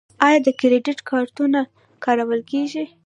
آیا کریډیټ کارتونه کارول کیږي؟